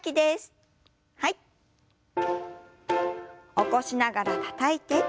起こしながらたたいて。